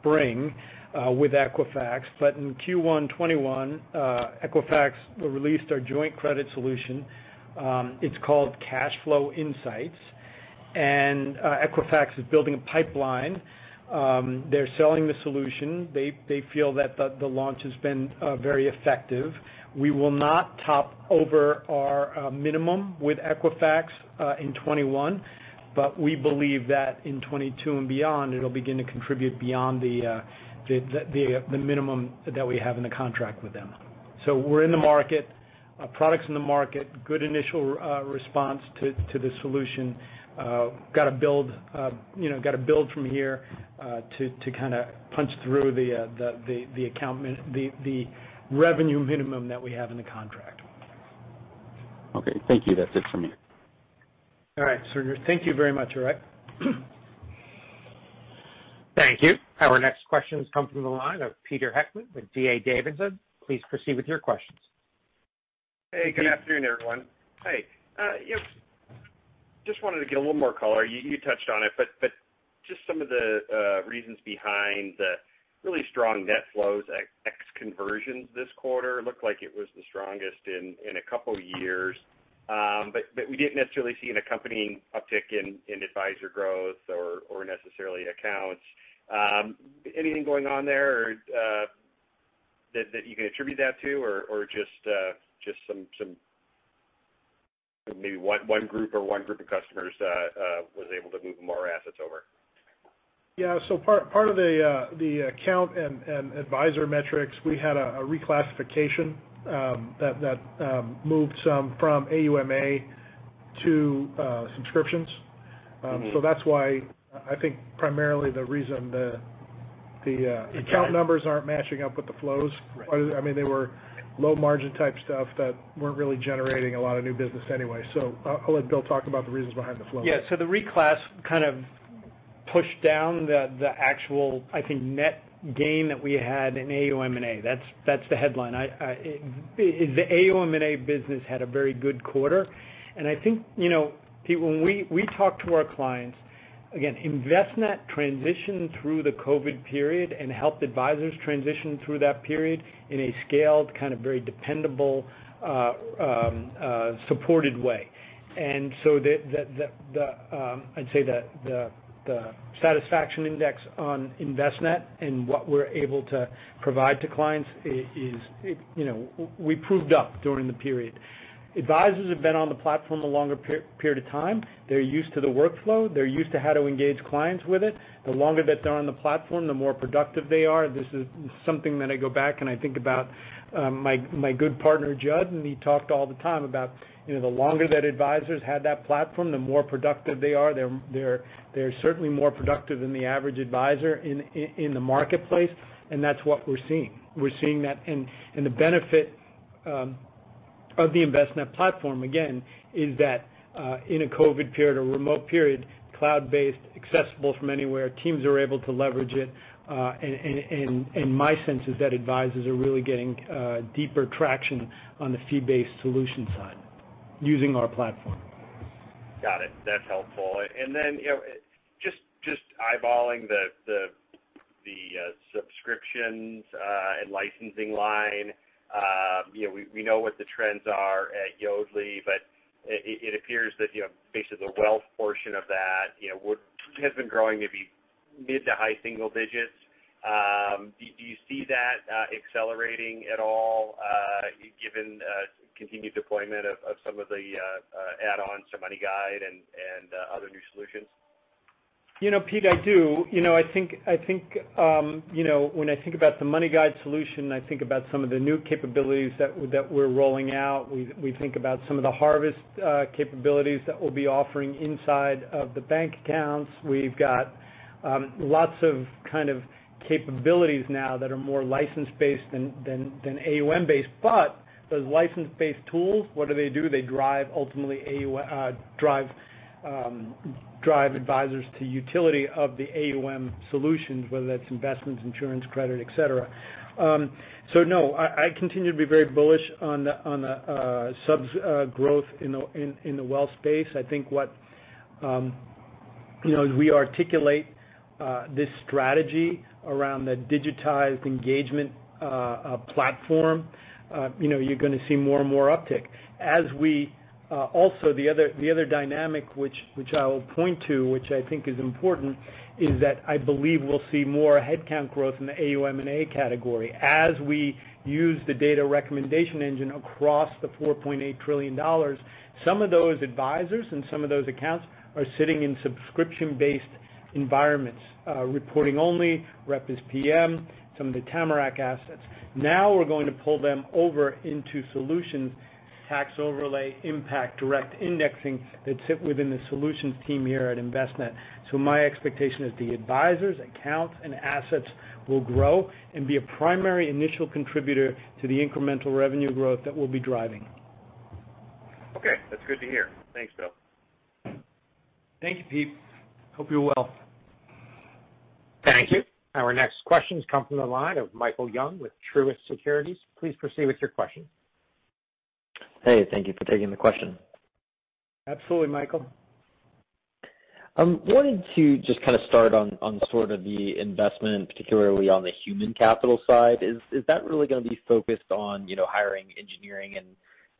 Speaker 3: spring with Equifax. In Q1 2021, Equifax released our joint credit solution. It's called Cash Flow Insights, and Equifax is building a pipeline. They're selling the solution. They feel that the launch has been very effective. We will not top over our minimum with Equifax in 2021, but we believe that in 2022 and beyond, it'll begin to contribute beyond the minimum that we have in the contract with them. We're in the market, our product's in the market, good initial response to the solution. We've got to build from here to kind of punch through the revenue minimum that we have in the contract.
Speaker 7: Okay. Thank you. That's it from me.
Speaker 3: All right, Surinder. Thank you very much, all right?
Speaker 1: Thank you. Our next questions come from the line of Peter Heckmann with D.A. Davidson. Please proceed with your questions.
Speaker 8: Hey, good afternoon, everyone. Hi. Just wanted to get a little more color. You touched on it, but just some of the reasons behind the really strong net flows ex conversions this quarter. Looked like it was the strongest in a couple years. We didn't necessarily see an accompanying uptick in advisor growth or necessarily accounts. Anything going on there that you can attribute that to? Just some, maybe one group of customers that was able to move more assets over?
Speaker 4: Yeah. Part of the account and advisor metrics, we had a reclassification that moved some from AUM/A to subscriptions. That's why I think primarily the reason the account numbers aren't matching up with the flows.
Speaker 8: Right.
Speaker 4: I mean, they were low-margin type stuff that weren't really generating a lot of new business anyway. I'll let Bill talk about the reasons behind the flows.
Speaker 3: Yeah. The reclass kind of pushed down the actual, I think, net gain that we had in AUM/A. That's the headline. The AUM/A business had a very good quarter, and I think, Pete, when we talk to our clients Envestnet transitioned through the COVID period and helped advisors transition through that period in a scaled, kind of very dependable, supported way. I'd say the satisfaction index on Envestnet and what we're able to provide to clients is, we proved up during the period. Advisors have been on the platform a longer period of time. They're used to the workflow. They're used to how to engage clients with it. The longer that they're on the platform, the more productive they are. This is something that I go back and I think about my good partner, Jud. He talked all the time about the longer that advisors had that platform, the more productive they are. They're certainly more productive than the average advisor in the marketplace. That's what we're seeing. We're seeing that. The benefit of the Envestnet platform, again, is that in a COVID period or remote period, cloud-based, accessible from anywhere, teams are able to leverage it. My sense is that advisors are really getting deeper traction on the fee-based solution side using our platform.
Speaker 8: Got it. That's helpful. Just eyeballing the subscriptions and licensing line. We know what the trends are at Yodlee, but it appears that basically the wealth portion of that has been growing maybe mid to high single digits. Do you see that accelerating at all given continued deployment of some of the add-ons to MoneyGuide and other new solutions?
Speaker 3: Pete, I do. When I think about the MoneyGuide solution, I think about some of the new capabilities that we're rolling out. We think about some of the harvest capabilities that we'll be offering inside of the bank accounts. We've got lots of kind of capabilities now that are more license-based than AUM-based. Those license-based tools, what do they do? They drive, ultimately, advisors to utility of the AUM solutions, whether that's investments, insurance, credit, et cetera. No, I continue to be very bullish on the subs growth in the wealth space. I think as we articulate this strategy around the digitized engagement platform, you're going to see more and more uptick. Also, the other dynamic which I will point to, which I think is important, is that I believe we'll see more headcount growth in the AUM/A category. As we use the data recommendation engine across the $4.8 trillion, some of those advisors and some of those accounts are sitting in subscription-based environments, reporting only, rep as PM, some of the Tamarac assets. We're going to pull them over into solutions, tax overlay impact, direct indexing, that sit within the solutions team here at Envestnet. My expectation is the advisors, accounts, and assets will grow and be a primary initial contributor to the incremental revenue growth that we'll be driving.
Speaker 8: Okay. That's good to hear. Thanks, Bill.
Speaker 3: Thank you, Pete. Hope you're well.
Speaker 1: Thank you. Our next questions come from the line of Michael Young with Truist Securities. Please proceed with your question.
Speaker 9: Hey, thank you for taking the question.
Speaker 3: Absolutely, Michael.
Speaker 9: I wanted to just kind of start on sort of the investment, particularly on the human capital side. Is that really going to be focused on hiring engineering and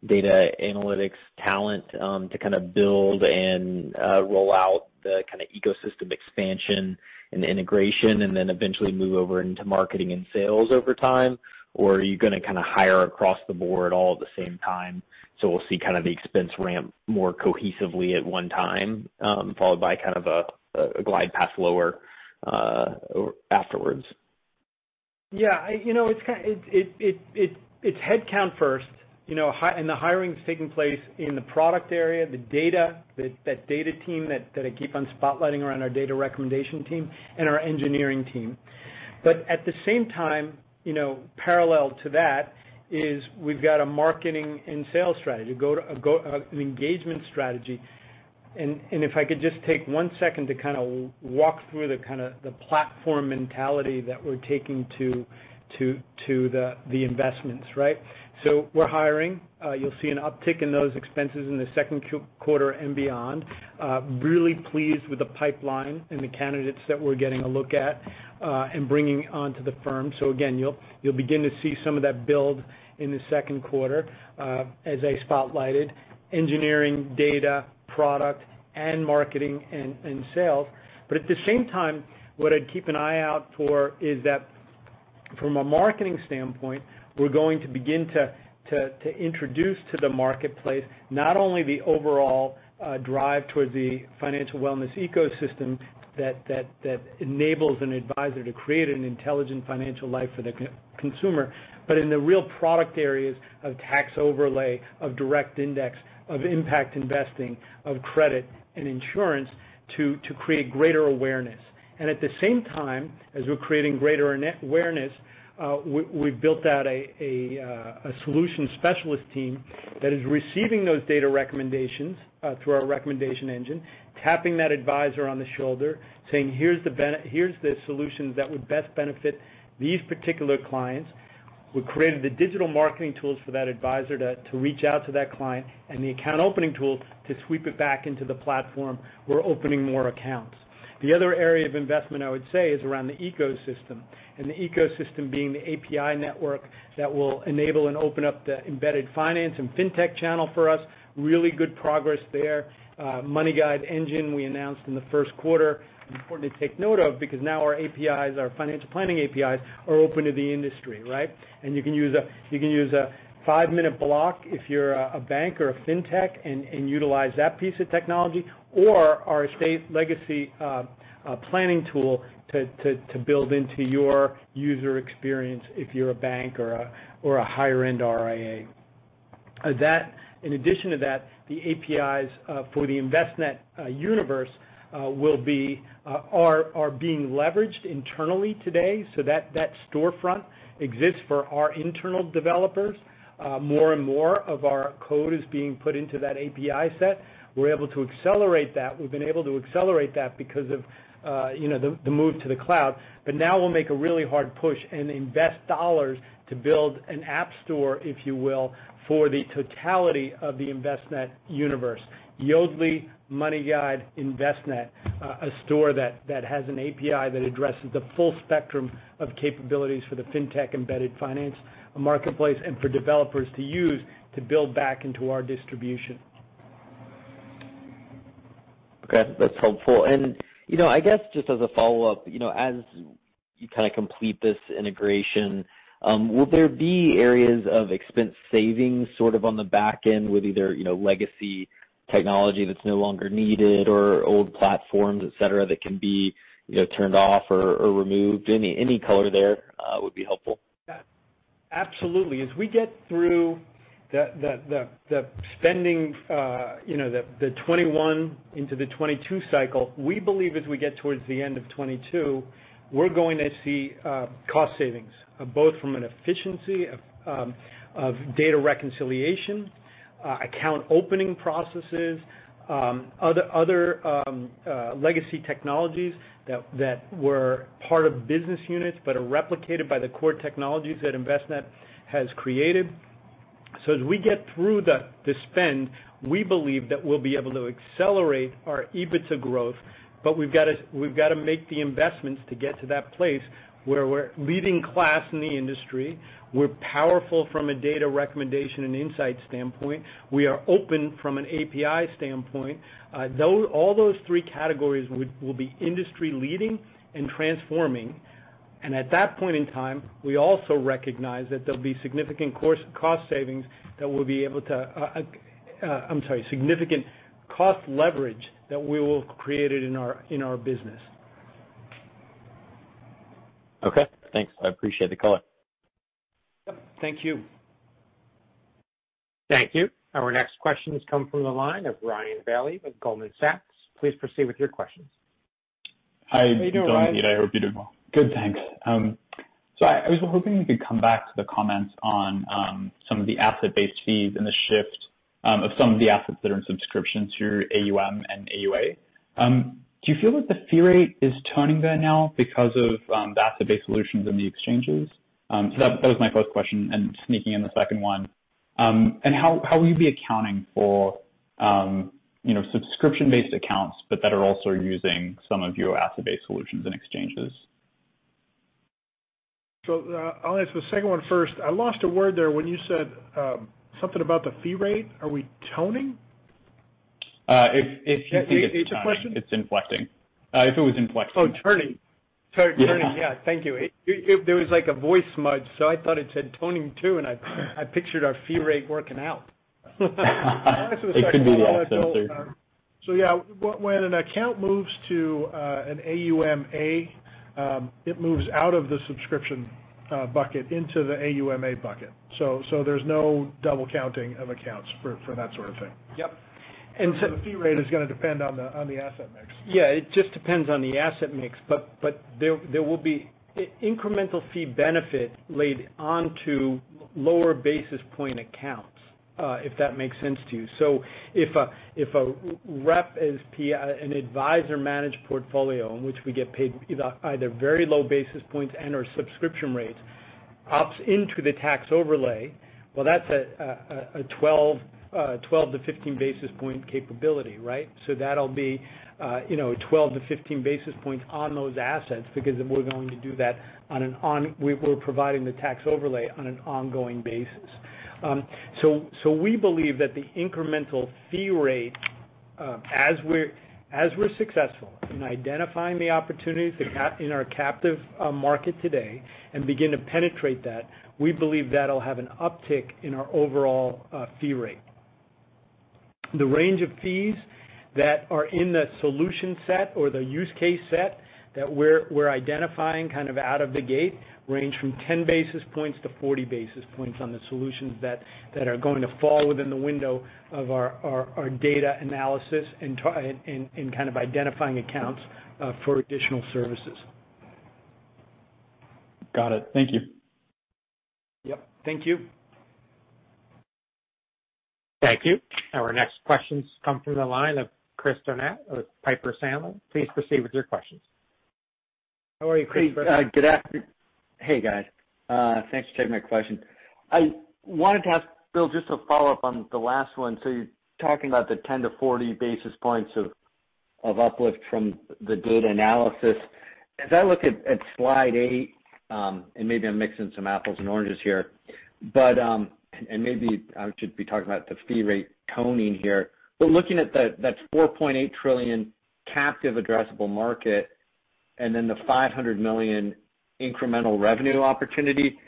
Speaker 9: data analytics talent to kind of build and roll out the kind of ecosystem expansion and integration, and then eventually move over into marketing and sales over time? Are you going to kind of hire across the board all at the same time, so we'll see kind of the expense ramp more cohesively at one time, followed by kind of a glide path lower afterwards?
Speaker 3: Yeah. It's headcount first, and the hiring's taking place in the product area, the data, that data team that I keep on spotlighting around our data recommendation team, and our engineering team. At the same time, parallel to that, is we've got a marketing and sales strategy, an engagement strategy. If I could just take one second to kind of walk through the kind of platform mentality that we're taking to the investments, right? We're hiring. You'll see an uptick in those expenses in the second quarter and beyond. Really pleased with the pipeline and the candidates that we're getting a look at, and bringing onto the firm. Again, you'll begin to see some of that build in the second quarter, as I spotlighted engineering, data, product, and marketing and sales. At the same time, what I'd keep an eye out for is that from a marketing standpoint, we're going to begin to introduce to the marketplace not only the overall drive towards the financial wellness ecosystem that enables an advisor to create an intelligent financial life for the consumer, but in the real product areas of tax overlay, of direct index, of impact investing, of credit and insurance to create greater awareness. At the same time, as we're creating greater awareness, we've built out a solution specialist team that is receiving those data recommendations through our recommendation engine, tapping that advisor on the shoulder, saying, "Here's the solutions that would best benefit these particular clients." We created the digital marketing tools for that advisor to reach out to that client, and the account opening tools to sweep it back into the platform. We're opening more accounts. The other area of investment I would say, is around the ecosystem, and the ecosystem being the API network that will enable and open up the embedded finance and FinTech channel for us. Really good progress there. MoneyGuideEngine we announced in the first quarter, important to take note of because now our APIs, our financial planning APIs, are open to the industry, right? You can use a five-minute block if you're a bank or a FinTech, and utilize that piece of technology. Our estate legacy planning tool to build into your user experience if you're a bank or a higher-end RIA. In addition to that, the APIs for the Envestnet universe are being leveraged internally today, so that storefront exists for our internal developers. More and more of our code is being put into that API set. We're able to accelerate that. We've been able to accelerate that because of the move to the cloud. Now we'll make a really hard push and invest dollars to build an app store, if you will, for the totality of the Envestnet universe. Yodlee MoneyGuide Envestnet, a store that has an API that addresses the full spectrum of capabilities for the FinTech embedded finance marketplace, and for developers to use to build back into our distribution.
Speaker 9: Okay, that's helpful. I guess just as a follow-up, as you kind of complete this integration, will there be areas of expense savings sort of on the back end with either legacy technology that's no longer needed or old platforms, et cetera, that can be turned off or removed? Any color there would be helpful.
Speaker 3: Yeah. Absolutely. As we get through the spending, the 2021 into the 2022 cycle, we believe as we get towards the end of 2022, we're going to see cost savings, both from an efficiency of data reconciliation, account opening processes, other legacy technologies that were part of business units but are replicated by the core technologies that Envestnet has created. As we get through the spend, we believe that we'll be able to accelerate our EBITDA growth. We've got to make the investments to get to that place where we're leading class in the industry. We're powerful from a data recommendation and insight standpoint. We are open from an API standpoint. All those three categories will be industry-leading and transforming. At that point in time, we also recognize that there'll be significant cost leverage that we will have created in our business.
Speaker 9: Okay, thanks. I appreciate the color.
Speaker 3: Yep, thank you.
Speaker 1: Thank you. Our next questions come from the line of Ryan Bailey with Goldman Sachs. Please proceed with your questions.
Speaker 3: How are you doing, Ryan? I hope you're doing well.
Speaker 10: Good, thanks. I was hoping you could come back to the comments on some of the asset-based fees and the shift. Of some of the assets that are in subscription to your AUM and AUA. Do you feel that the fee rate is turning there now because of the asset-based solutions in the exchanges? That was my first question, and sneaking in the second one. How will you be accounting for subscription-based accounts, but that are also using some of your asset-based solutions and exchanges?
Speaker 4: I'll answer the second one first. I lost a word there when you said something about the fee rate. Are we toning?
Speaker 10: It's turning.
Speaker 4: Is that the question?
Speaker 10: It's inflecting. If it was inflecting.
Speaker 4: Oh, turning.
Speaker 10: Yeah.
Speaker 4: Sorry. Turning. Yeah. Thank you. There was a voice smudge, so I thought it said toning too, and I pictured our fee rate working out.
Speaker 10: It could be the echo too.
Speaker 4: Yeah. When an account moves to an AUM/A, it moves out of the subscription bucket into the AUM/A bucket. There's no double counting of accounts for that sort of thing.
Speaker 3: Yep.
Speaker 4: The fee rate is going to depend on the asset mix.
Speaker 3: Yeah. It just depends on the asset mix. There will be incremental fee benefit laid onto lower basis point accounts. If that makes sense to you. If a rep is an advisor-managed portfolio in which we get paid either very low basis points and/or subscription rates, opts into the tax overlay, well, that's a 12 basis point-15 basis point capability. Right? That'll be 12 basis point-15 basis points on those assets because we're providing the tax overlay on an ongoing basis. We believe that the incremental fee rate, as we're successful in identifying the opportunities in our captive market today and begin to penetrate that, we believe that'll have an uptick in our overall fee rate. The range of fees that are in the solution set or the use case set that we're identifying out of the gate range from 10 basis points-40 basis points on the solutions that are going to fall within the window of our data analysis and identifying accounts for additional services.
Speaker 10: Got it. Thank you.
Speaker 3: Yep. Thank you.
Speaker 1: Thank you. Our next questions come from the line of Chris Donat with Piper Sandler. Please proceed with your questions.
Speaker 3: How are you, Chris Donat?
Speaker 11: Hey, guys. Thanks for taking my question. I wanted to ask, Bill, just a follow-up on the last one. You're talking about the 10 basis point-40 basis points of uplift from the data analysis. As I look at slide eight, and maybe I'm mixing some apples and oranges here, and maybe I should be talking about the fee rate toning here. Looking at that $4.8 trillion captive addressable market, and then the $500 million incremental revenue opportunity,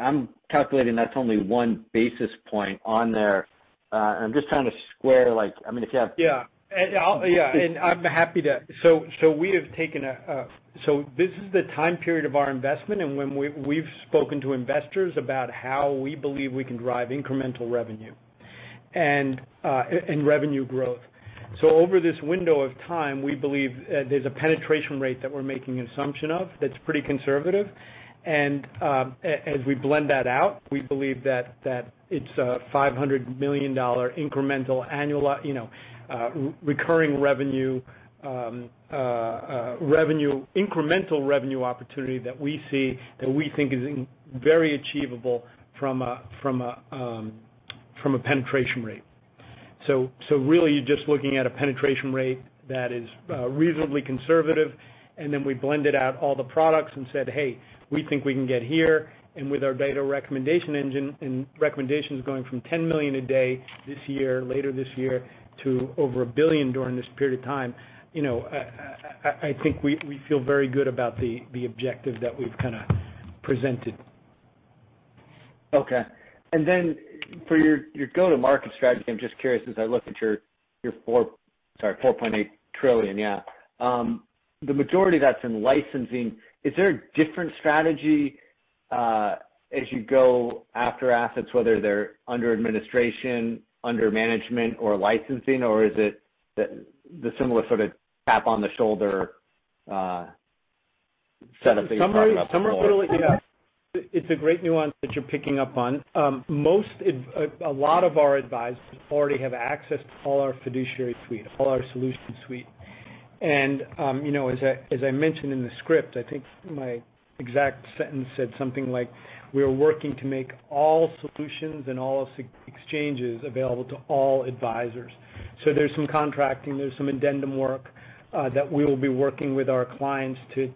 Speaker 11: I'm calculating that's only 1 basis point on there. I'm just trying to square, if you have.
Speaker 3: Yeah. I'm happy to. This is the time period of our investment, and when we've spoken to investors about how we believe we can drive incremental revenue and revenue growth. Over this window of time, we believe there's a penetration rate that we're making assumption of, that's pretty conservative. As we blend that out, we believe that it's a $500 million incremental annual recurring revenue, incremental revenue opportunity that we see, that we think is very achievable from a penetration rate. Really, you're just looking at a penetration rate that is reasonably conservative, and then we blended out all the products and said, "Hey, we think we can get here." With our data recommendation engine and recommendations going from $10 million a day later this year, to over $1 billion during this period of time, I think we feel very good about the objective that we've presented.
Speaker 11: Okay. For your go-to-market strategy, I'm just curious as I look at your $4.8 trillion, the majority of that's in licensing. Is there a different strategy as you go after assets, whether they're under administration, under management, or licensing, or is it the similar sort of tap on the shoulder setup that you were talking about before?
Speaker 3: Yeah. It's a great nuance that you're picking up on. A lot of our advisors already have access to all our fiduciary suite, all our solution suite. As I mentioned in the script, I think my exact sentence said something like, "We are working to make all solutions and all exchanges available to all advisors." There's some contracting, there's some addendum work that we will be working with our clients to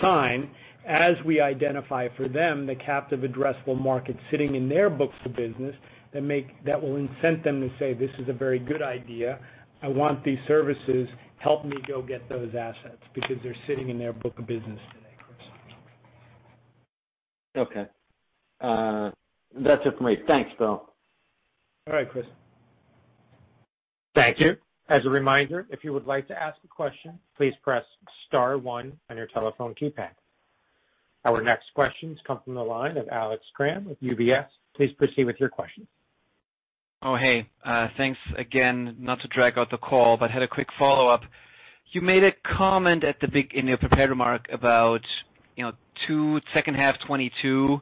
Speaker 3: sign as we identify for them the captive addressable market sitting in their books of business that will incent them to say, "This is a very good idea. I want these services. Help me go get those assets," because they're sitting in their book of business today, Chris.
Speaker 11: Okay. That's it for me. Thanks, Bill.
Speaker 3: All right, Chris.
Speaker 1: Thank you. As a reminder, if you would like to ask a question, please press star one on your telephone keypad. Our next questions come from the line of Alex Kramm with UBS. Please proceed with your question.
Speaker 6: Oh, hey. Thanks again. Not to drag out the call, but had a quick follow-up. You made a comment in your prepared remark about second half 2022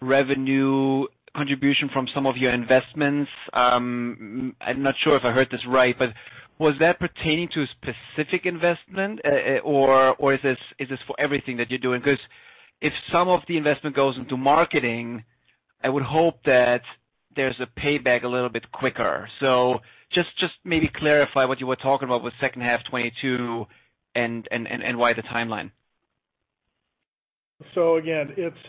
Speaker 6: revenue contribution from some of your investments. I'm not sure if I heard this right, but was that pertaining to a specific investment, or is this for everything that you're doing? Because if some of the investment goes into marketing, I would hope that there's a payback a little bit quicker. Just maybe clarify what you were talking about with second half 2022 and why the timeline.
Speaker 4: Again, it's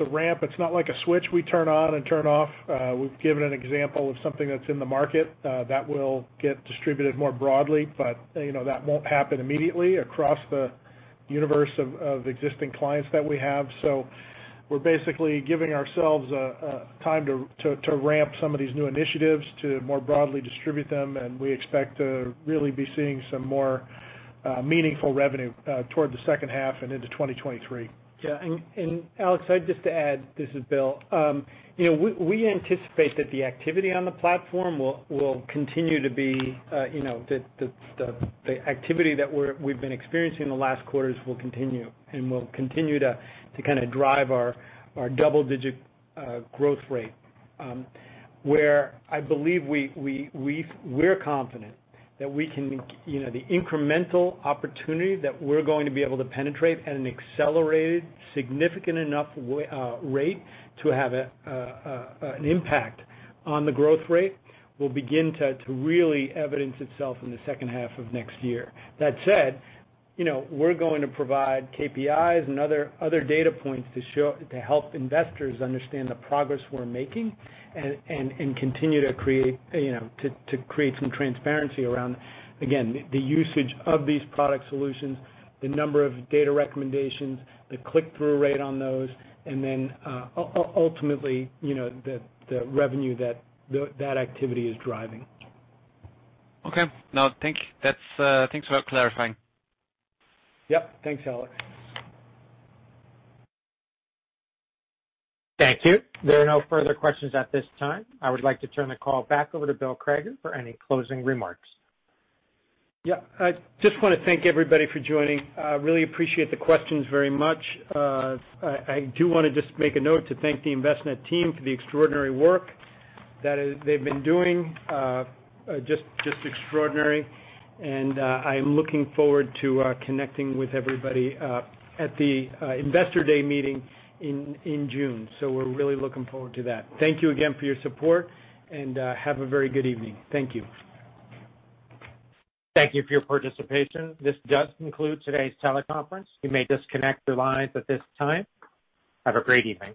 Speaker 4: a ramp. It's not like a switch we turn on and turn off. We've given an example of something that's in the market that will get distributed more broadly, but that won't happen immediately across the universe of existing clients that we have. We're basically giving ourselves time to ramp some of these new initiatives to more broadly distribute them, and we expect to really be seeing some more meaningful revenue toward the second half and into 2023.
Speaker 3: Yeah. Alex, just to add, this is Bill. We anticipate that the activity on the platform that we've been experiencing in the last quarters will continue, and will continue to drive our double-digit growth rate. I believe we're confident that the incremental opportunity that we're going to be able to penetrate at an accelerated, significant enough rate to have an impact on the growth rate will begin to really evidence itself in the second half of next year. That said, we're going to provide KPIs and other data points to help investors understand the progress we're making and continue to create some transparency around, again, the usage of these product solutions, the number of data recommendations, the click-through rate on those, and then, ultimately, the revenue that activity is driving.
Speaker 6: Okay. No, thanks for clarifying.
Speaker 3: Yep. Thanks, Alex.
Speaker 1: Thank you. There are no further questions at this time. I would like to turn the call back over to Bill Crager for any closing remarks.
Speaker 3: Yeah. I just want to thank everybody for joining. Really appreciate the questions very much. I do want to just make a note to thank the Envestnet team for the extraordinary work that they've been doing. Just extraordinary. I am looking forward to connecting with everybody at the Investor Day meeting in June, so we're really looking forward to that. Thank you again for your support and have a very good evening. Thank you.
Speaker 1: Thank you for your participation. This does conclude today's teleconference. You may disconnect your lines at this time. Have a great evening.